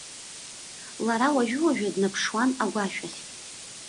Лара уажәыуажәы днаԥшуан агәашә ахь.